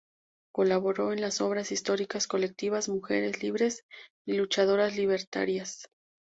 Colaboró en las obras históricas colectivas "Mujeres Libres" y "Luchadoras Libertarias".